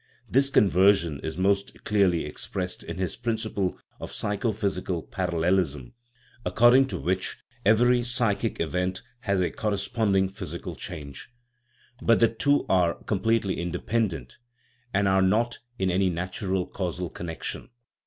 This conversion is most clearly expressed in his principle of psycho physical parallel 'ism, according to which " every psychic event has a corresponding physical change "; but the two are com 101 THE RIDDLE OF THE UNIVERSE pletely independent, and are not in any natural causal connection.